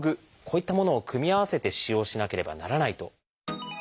こういったものを組み合わせて使用しなければならないと。